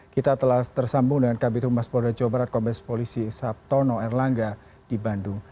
kita telah tersambung dengan kabinet rumah spor jawa barat komers polisi sabtono erlangga di bandung